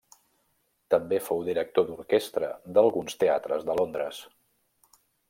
També fou director d’orquestra d’alguns teatres de Londres.